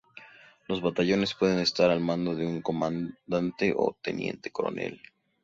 Los batallones pueden estar al mando de un comandante o un teniente coronel.